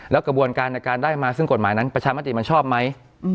แล้วกระบวนการในการได้มาซึ่งกฎหมายนั้นประชามติมันชอบไหม